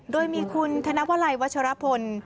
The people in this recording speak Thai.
โดยมีคุณธนวลัยวัชรพล